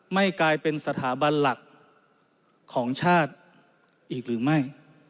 ไม่กลายเป็นสถาบันหลักของชาติอีกหรือไม่